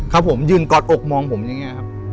ครับผมยืนกอดอกมองผมอย่างนี้ครับ